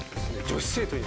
女子生徒！